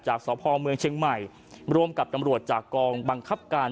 สพเมืองเชียงใหม่รวมกับตำรวจจากกองบังคับการ